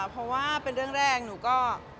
เพราะว่าเป็นเรื่องแรกหนูก็